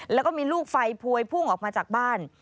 แล้วก็มีลูกไฟพวยพุ่งออกมาจากบ้าน